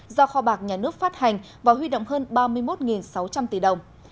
do kho bạc nhà nước phát hành và huy động hơn ba mươi một sáu trăm linh tỷ đồng